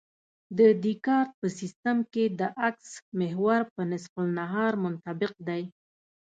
د دیکارت په سیستم کې د اکس محور په نصف النهار منطبق دی